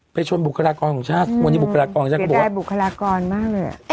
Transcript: ไปชวนบุคลากรของชาติอืมวันนี้บุคลากรของชาติบอกว่าเสียดายบุคลากรมากเลยอ่ะ